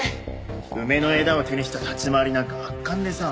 梅の枝を手にした立ち回りなんか圧巻でさ。